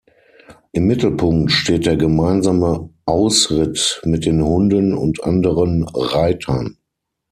Im Mittelpunkt steht der gemeinsame Ausritt mit den Hunden und anderen Reitern.